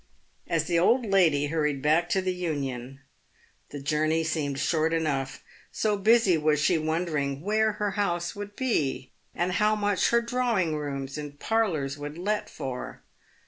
As the old lady hurried back to the Union, the journey seemed short enough, so busy was she wondering where her house would be, and how much her drawing rooms and parlours would let for.